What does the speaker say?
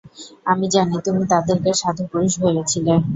আমি জানি তুমি তাদেরকে সাধু পুরুষ ভেবেছিলে।